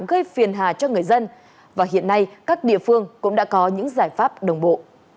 gây phiền hà cho người dân và hiện nay các địa phương cũng đã có những giải pháp đồng bộ